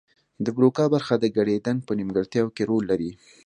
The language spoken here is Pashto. د بروکا برخه د ګړیدنګ په نیمګړتیا کې رول لري